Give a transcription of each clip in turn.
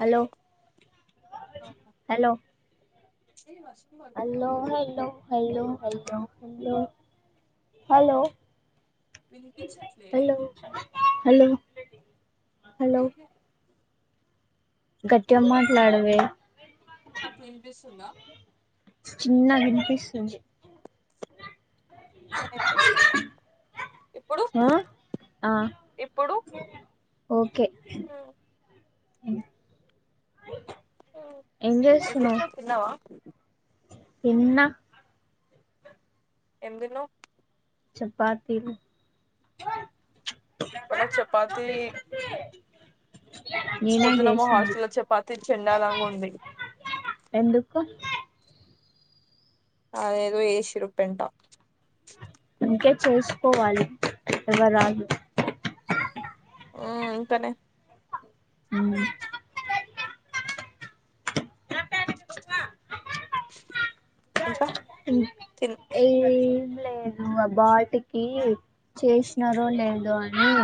Hello hello ఏ వర్షం అల్లో పడుతుంది హల్లో హైల్లో హెల్లో హలో వినిపించట్లే హలో హలో హలో ఏహే గట్టిగా మాట్లాడవే వినుపిస్తుందా చిన్న వినిపిస్తుంది అనిపిస్తుందా ఇప్పుడు ఆ ఆ ఇప్పుడు ఓకే ఏం చేస్తున్నావ్ తిన్నావా తిన్న ఏం తిన్నావ్ చపాతీలు వాళ్ల చపాతి నేనే పొద్దున మా చేసింది హాస్టల్ లో చపాతి చెండాలంగా ఉంది ఎందుకు అదేదో ఏసిరు పెన్టా ఇంకే చేసుకోవాలి ఎవరాలు ఉ ఇంకనే అ [unintelligible] ఇంకా తిన్ ఏ లేదు ఆ బాటికి చేసినారో లేదో అని [inaudible]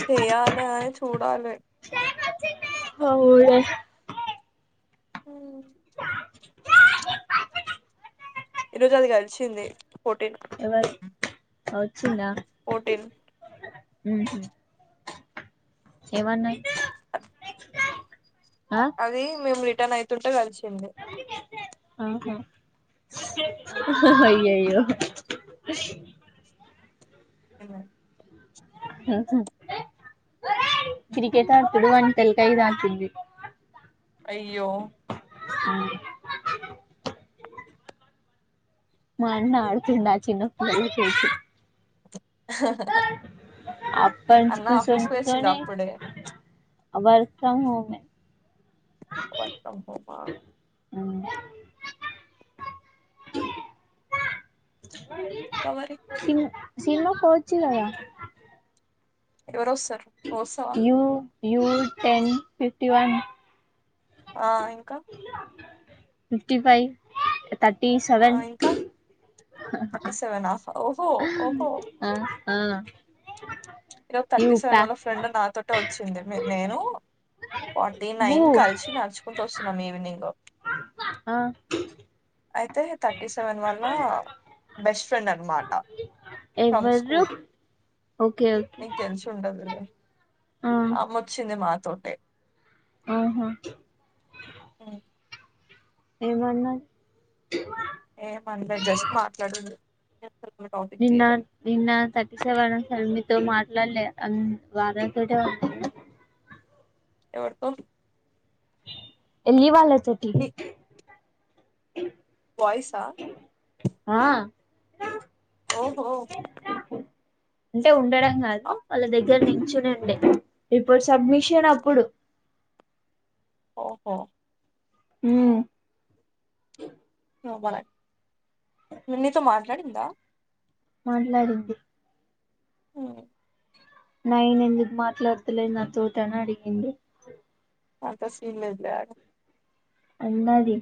చెయాలే అ చూడాలే అవునే హ [inaudible] ఈరోజు అది కలిసింది పోటీన్ ఎవరు వచ్చిందా ఫోటీన్ ఉ ఎవన్నా అది మేము రిటర్న్ అయితుంటే కలిసింది అయ్యయ్యో ఎవ అహు కిరికేట్ ఆతుడు వంత తెలి కైదిఆడుతుంది. అయ్యో అ మన్న అడుతుంద చిన్నప్పుడు అయితే అహ్హ్హ్ అప్పన్చి కోసోంటోనే అప్పుడే వర్క్ ఫ్రమ్ హోమె వర్క్ ఫ్రమ్ హోమా అవును ఇంకా మరి సిమ్ సిన్ను కొచ్చిల్లారా ఎవరు వస్సారు నువ్ వస్సావా? ఏ ఊరు టెన్ ఫిఫ్టీ వన్ ఆ ఇంకా ఫిఫ్టీ పై థర్టీ ఆ సెవెన్ ఇంకా హ్హ్హ్ థర్టీ సెవెనా ఓహో ఓహో అ ఆ ఇది ఒక యూ థర్టీ సెవెన్ ప్యాక్ వాళ్ళ ఫ్రెండ్ నాతోటే వచ్చింది నేను ఫార్టీ హూ నైన్ కలిసి నడుచుకుంటూ వస్తున్నాం ఈవినింగ్ ఆ అయితే థర్టీ సెవెన్ వల్ల బెస్ట్ ఫ్రెండ్ అనమాట ఫ్రమ్ ఎవరు స్కూల్ ఓకే ఓకే నీకు తెలిసు ఉండదులే ఆ అమ్మొచ్చింది మాతోటే ఓహా ఉమ్, ఏమన్నా ఏమన్లే జస్ట్ మాట్లాడుదు నిన్న నిన్న తర్టీ సెవెన్ సెమి తో మాటలాల్లె అన్ వార తోటే మాట్లాడు ఎవరుతో ఎల్లి వాళ్ళ తోటి వయిసా ర ఓహో అంటే ఉండడం కాదు అ- వాళ్ళ దగ్గర నుంచి చూడండి ఇప్పుడు సబ్మిషన్ అప్పుడు ఓహో మ్ నువలే నీతో మాట్లాడిందా? మాట్లాడింది ఉ నయన ఎందుకు మాట్లాడతలేదు నా తోటని అడిగింది. అంత సిలే లేగ్ అందది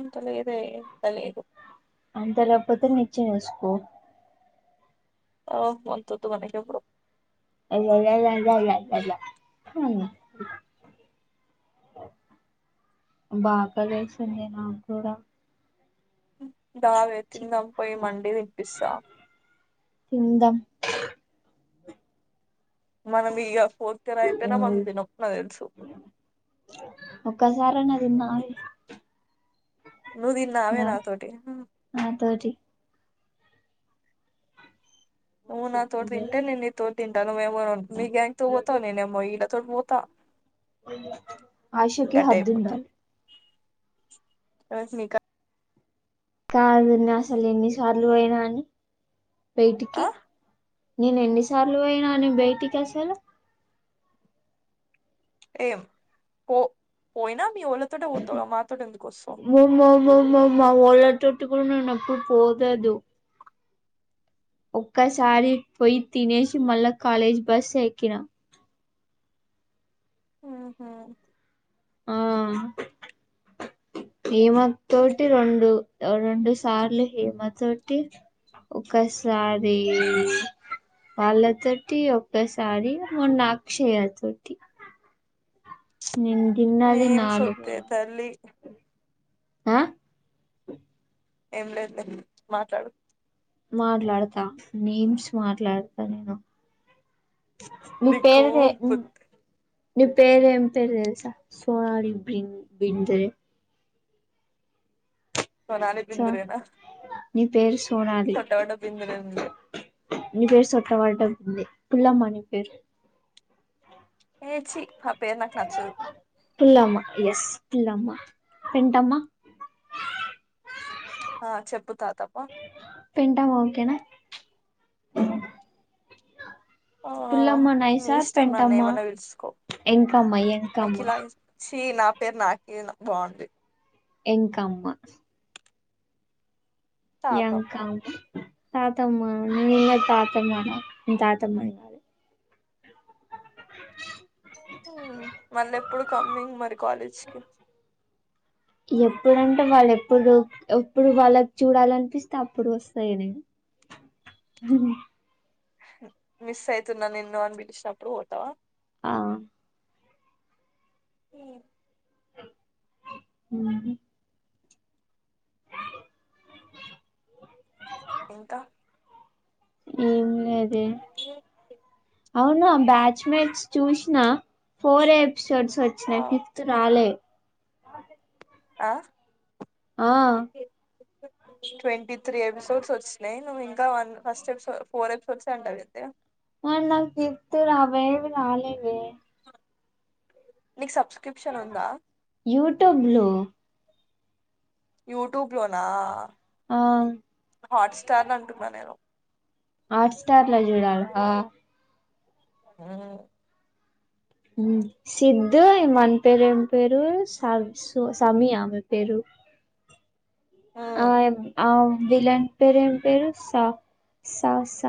ఉంచలేదే తలిదు అందలేకపోతే నిచ్చెన ఏసుకో ఓ అంతొద్దు అనేప్పుడు అ [unintelligible] బా ఆకలేస్తుంది నాకు కూడా దావే చి తిందాం పోయి మండీ తెప్పిస్తా. తిందాం మనం ఇగ ఫోర్త్ ఇయర్ అయిపోయినా మనం తినం తెలుసు. సారాంగా తిన్నాయ్ నువ్వు తిన్నావే నా నాతోటి ఉమ్, నాతోటి నువ్వు నా తోటి తింటే నే తోటి తింటా నువ్వేమో మీ గ్యాంగ్ తో పోతావు నేనేమో ఈడ త పోతా ఆశకు హద్దు ఉండాలి. ఎవరికి నీకా కాదు నా అసలు ఎన్నిసార్లు పోయినాను బయటికి ఆ నేను ఎన్నిసార్లు పోయినాను అని బయటికి అసలు ఏం పో పోయినా మీ వోళ్ళతోటే పోతావుగా మాతోటి ఎందుకు వస్తావు మో మో మో వాలెట్ స్కూల్ నుండి ఎప్పుడూ పోతాదు ఒక్కసారి పోయి తినేసి మళ్ళా కాలేజీ బస్ ఎక్కినా. [inaudible] ఓహో ఆ హేమ తోటి రెండు రెండు సార్లు హేమ తోటి ఒకసారి వాళ్ళతోటి ఒక్కసారి మొన్న అక్షయ తోటి ఏం నాలుగు సుత్తె తల్లీ. ఆ ఏం లేదు మాట్లాడు మాట్లాడతా మీమ్స్ మాట్లాడతా నేను మీ నీకు పేరు నీ పేరు ఏం పేరు తెలుసా సోనాలి బింద్రే సోనాలి సో బింద్రే నా నీ పేరు సోనాలి నీ పేరు చొట్టబడ్డ పుల్లమని పేరు ఏ ఛీ ఆ పేరు నాకు నచ్చదు పుల్లమ్మ ఎస్ పుల్లమ్మ పెంటమ్మా ఆ చెప్పు తాతప్పా పెంటమ్మ ఓకే నా ఆ నైస్ నీ ఆర్ ఇష్టం నన్ను పెంటమ్మ ఏమన్నా పిలుసుకో ఎంకమ్మ ఎంకమ్మ అఖిలా నా పేరు నాకు బాగుంది. ఎంకమ్మ తాతమ్మ ఎంకమ్మ తాతమ్మ, నీనే తాతమ్మను, తాతమ్మని [inaudible] మ్ మళ్ళీ ఎప్పుడు కమ్మింగ్ మరి కాలేజ్కి ఎప్పుడుంటే వాళ్ళు ఎప్పుడు ఎప్పుడు వాళ్ళకి చూడాలనిపిస్తే అప్పుడు వస్తాయిగా నేను అ మిస్ అయితున్నా నిన్ను అని పిలిచినప్పుడు పోతావా ఆ ఉమ్ ఉహుమ్ ఇంకా ఏం లేదే అవునే ఆ బ్యాచ్ మేట్స్ చూసిన ఫోర్ ఎపిసోడ్స్ ఆ వచ్చినాయి ఫిఫ్త్ రాలే ఆ ఆ ట్వంటీ త్రీ ఎపిసోడ్స్ వచ్చినాయి నువ్వు ఇంకా one first episode four episodes వచ్చాయి అంటావు ఎందే మరి నాకు పిఫ్త్ అవేవి రాలేదే నీకు సబ్ యూట్యూబ్ లో యూట్యూబ్ లోనా ఆ హాట్ స్టార్ అంటున్నా నేను హాట్ స్టార్ లో చూడాలా ఆహా ఉమ్ సిద్దు మన పేరు ఏం పేరు స స సమీయా ఆమె పేరు ఆ మ్మ్ ఆ విలన్ పేరు ఏం పేరు స స స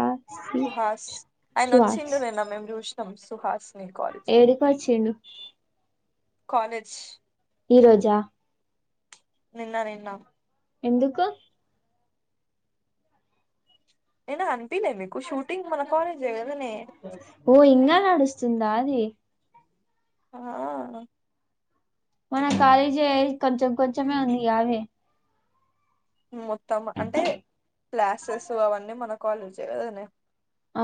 సుహాస్ ఆయన వచ్చిండు నేన్నా మేము చూసినాం సుహాస్ ని కాలేజ్ లో ఏడికి కొచ్చిండు కాలేజ్ ఈరోజా నిన్న నిన్నా ఎందుకు నిన్న కనిపిలే మీకు షూటింగ్ మన కాలేజ్ ఏ ఓ ఇంకా నడుస్తుందా అది ఆ మన కాలేజ్ ఏ కొంచెం కొంచెం ఉందిగామే మొత్తం అంటే క్లాసెస్ అవన్నీ మన కాలేజ్ ఏ కదనే ఆ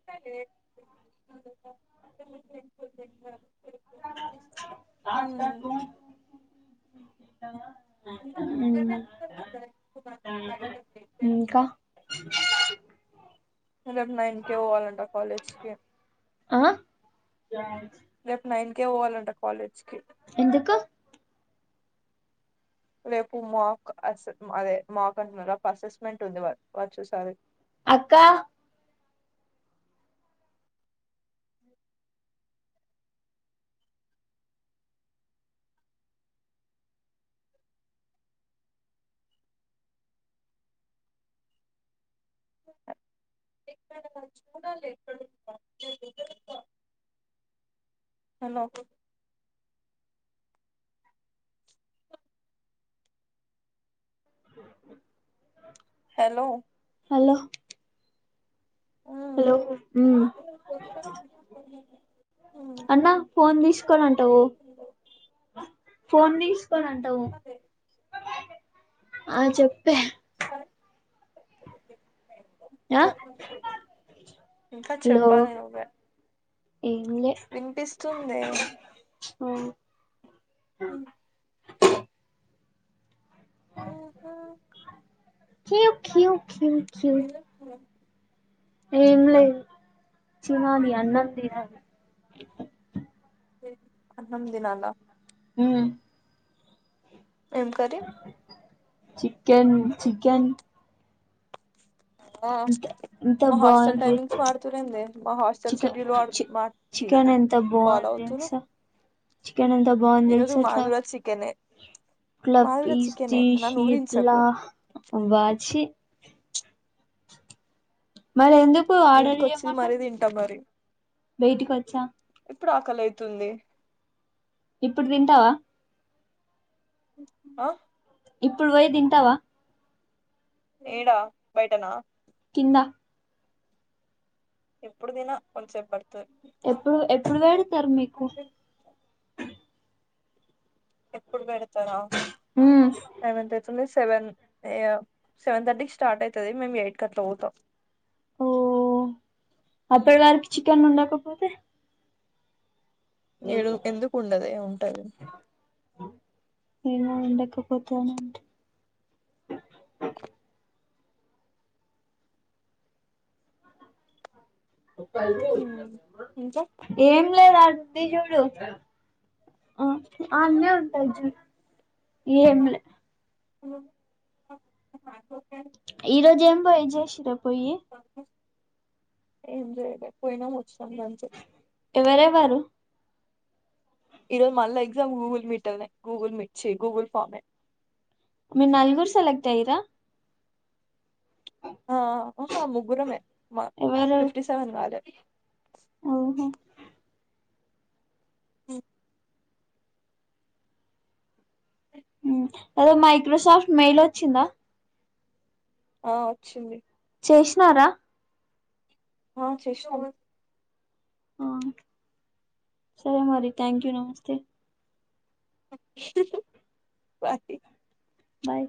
ఎ నా ఉమ్ ఉమ్ ఇంకా రేపు నైన్ కే పోవాలంటా కాలేజ్ కి ఆ రేపు నైన్ కే పోవాలంట కాలేజ్ కి ఎందుకు రేపు మాక్ అ అదే మాక్ అంటున్నారు అసెస్మెంట్ ఉంది వారు చూస్తారు అక్కా ఇక్కడ మరిచి కుడా లేవు హలో హలో హలో ఉమ్. హలో హ్మ్ అన్నా ఫోన్ తీసుకోనంటావు ఫోన్ తీసుకొనంటావు ఆ చెప్పే సరే ఆ ఇంకా ఇంకా చెప్పాలి నువ్వే ఎంలే వినిపిస్తుందే హ ఆ ఓహో క్యూ క్యూ క్యూ క్యూ ఏంలేదు చినది అన్నంతినలి అన్నం తిన్నాల అం ఏం కర్రీ చికెన్ చికెన్ ఆ ఇంత ఇంత మా హాస్టల్ బాగుంది టైమింగ్స్ మారుతూలేండి మా హాస్టల్ చికెన్ షెడ్యూల్డు చి మార్చి చికెన్ ఎంత ఫాలో బొంది అవుతురు తెలుసా చికెన్ ఎంత ఈ బొంది రోజు తెల్సా మాది అట్లా కూడా చికెనే ఇట్లా మాది కూడా పిస్ చికెనే నన్ను తీసి ఇట్లా ఊరించకు అబ్బా చి మరి ఎందుకు మీ ఆర్డర్ ఇంటికి వచ్చేది మరీ చేయమన్నవ్ తింటా మరి బైటకి వచ్చా ఇప్పుడు ఆకలిలైతుంది ఇప్పుడు తింటావా ఆ ఇప్పుడు పోయ్ తింటావా ఇడా బైటన కింద ఇప్పుడు తిన కొంసేపు పాడ్ ఎప్పుడు ఎప్పుడు పెడతార్ మీకు ఎప్పుడు పెడతారా ఉమ్ టైమేంత సెవెన్ ఇగ సెవెన్ థర్టీకి స్టార్ట్ అవుతది మేము ఎయిట్ కట్లా పోతాం ఓ అప్పటి వారిక్ చికెన్ ఉండకపోతే ఏడు ఎందుకుండదే ఉంటది ఎమో ఉండకపోతనుంట్ ఇంకా ఏం లేదు అ చుడు అనే ఉంటాయిచుడు ఎంలే ఓ ఈ రోజు ఏం పోయి చేసిరా పోయి ఏం జెలేకపోయిన ఎవరే వారు ఈరోజు మళ్ళ ఎగ్జామ్ గూగుల్ మీట్ లోనే గూగుల్ మీట్ చి గూగుల్ ఫామే మీరు నలుగురు సెలెక్ట్ అయిరా ఆ అహా ముగ్గురమే మ ఫిఫ్టీ సెవెన్ వ్యలే అవ్ హో ఓ హ్మ్ అఅదే మైక్రోసాఫ్ట్ మెయిల్ వచ్చిందా ఆ వచ్చింది చేసినారా ఆ చేసినాం ఆ సరే మరి థ్యాంక్ యూ నమస్తే బాయ్ బాయ్